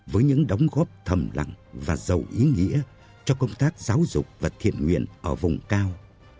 với những đóng góp thầm lặng và giàu ý nghĩa cho công tác giáo dục và thiện nguyện ở vùng cao